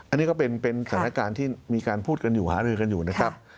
อันนี้ก็เป็นสถานการณ์ที่มีการพูดกันอยู่หารือกันอยู่นะครับ